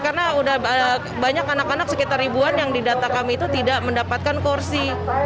karena sudah banyak anak anak sekitar ribuan yang di data kami itu tidak mendapatkan kursi